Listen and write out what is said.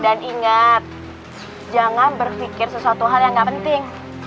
dan ingat jangan berpikir sesuatu hal yang gak penting